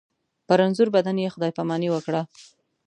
په رنځور بدن یې خدای پاماني وکړه.